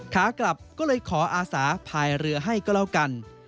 ขากลับก็เลยขออาสาพายเรือให้ก็แล้วกัน